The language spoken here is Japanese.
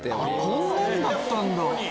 こんなんだったんだ！